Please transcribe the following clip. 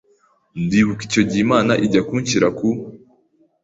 Ndibuka icyo gihe Imana ijya kunshyira ku